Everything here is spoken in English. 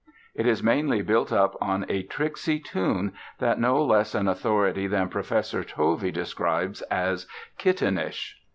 It is mainly built up on a tricksy tune that no less an authority than Professor Tovey described as "kittenish."